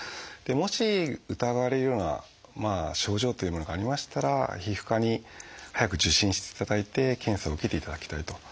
もし疑われるような症状というものがありましたら皮膚科に早く受診していただいて検査を受けていただきたいと。